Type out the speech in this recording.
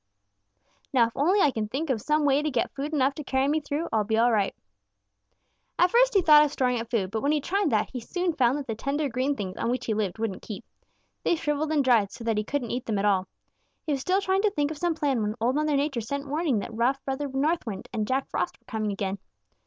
'Now if only I can think of some way to get food enough to carry me through, I'll be all right.' "At first he thought of storing up food, but when he tried that, he soon found that the tender green things on which he lived wouldn't keep. They shriveled and dried, so that he couldn't eat them at all. He was still trying to think of some plan when Old Mother Nature sent warning that rough Brother North Wind and Jack Frost were coming again.